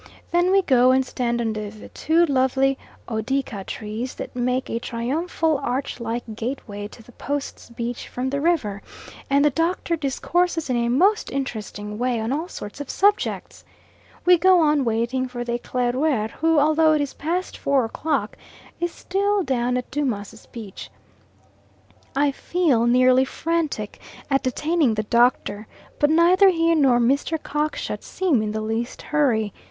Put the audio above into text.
Then we go and stand under the two lovely odeaka trees that make a triumphal arch like gateway to the Post's beach from the river, and the Doctor discourses in a most interesting way on all sorts of subjects. We go on waiting for the Eclaireur, who, although it is past four o'clock, is still down at Dumas' beach. I feel nearly frantic at detaining the Doctor, but neither he nor Mr. Cockshut seem in the least hurry.